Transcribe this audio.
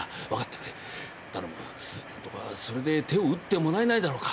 どうかそれで手を打ってもらえないだろうか？